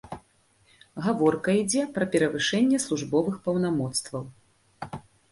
Гаворка ідзе пра перавышэнне службовых паўнамоцтваў.